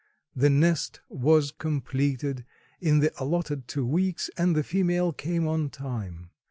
The nest was completed in the allotted two weeks and the female came on time.